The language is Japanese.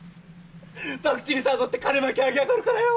博打に誘って金巻き上げやがるからよ。